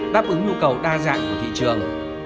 đáp ứng nhu cầu đa dạng của thị trường